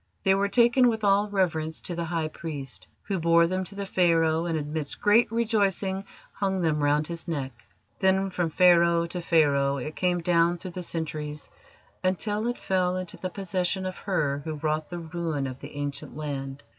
They were taken with all reverence to the High Priest, who bore them to the Pharaoh, and, amidst great rejoicing, hung them round his neck. Then from Pharaoh to Pharaoh it came down through the centuries until it fell into the possession of her who wrought the ruin of the Ancient Land.